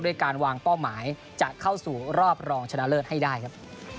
การวางเป้าหมายจะเข้าสู่รอบรองชนะเลิศให้ได้ครับ